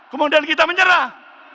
kemudian kita menyerah